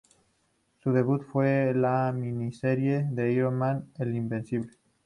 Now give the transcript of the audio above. Su debut fue en la miniserie de "Iron Man: El invencible".